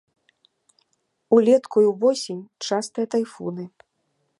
Улетку і ўвосень частыя тайфуны.